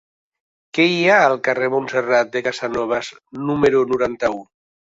Què hi ha al carrer de Montserrat de Casanovas número noranta-u?